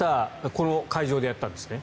この会場でやったんですね。